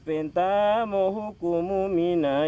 sehingga kita bisa melakukan peradaban yang baik